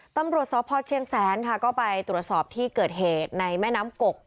ตำรวจสพเชียงแสนค่ะก็ไปตรวจสอบที่เกิดเหตุในแม่น้ำกก